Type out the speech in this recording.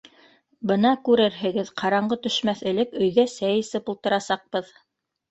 Бына күрерһегеҙ, ҡараңғы төшмәҫ элек өйҙә сәй эсеп ултырасаҡбыҙ.